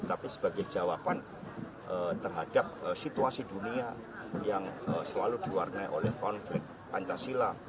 tapi sebagai jawaban terhadap situasi dunia yang selalu diwarnai oleh konflik pancasila